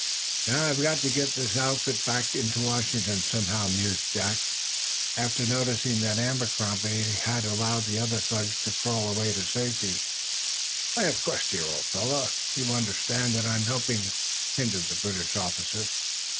"Now, I've got to get this outfit back into Washington, somehow," mused Jack, after noticing that Abercrombie had allowed the other thug to crawl away to safety. "Why, of course, dear old fellow, you under stand that I'm helping," hinted the British officer.